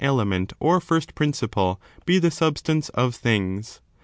207 element or first principle be the substance of things.